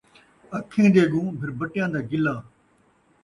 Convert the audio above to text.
اکھیں دے اڳوں بھربھٹیاں دا گلہ